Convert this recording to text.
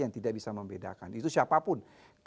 yang tidak bisa membedakan itu siapapun